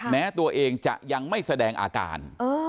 แม้ตัวเองจะยังไม่แสดงอาการ